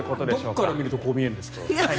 どこから見るとこう見えるんですか？